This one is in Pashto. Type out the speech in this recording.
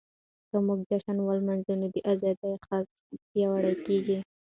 که موږ جشن ولمانځو نو د ازادۍ حس پياوړی کيږي.